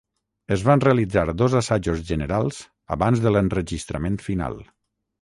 Es van realitzar dos assajos generals abans de l'enregistrament final.